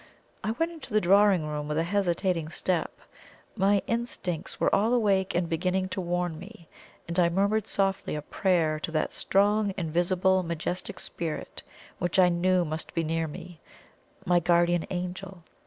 I went into the drawing room with a hesitating step my instincts were all awake and beginning to warn me, and I murmured softly a prayer to that strong, invisible majestic spirit which I knew must be near me my guardian Angel.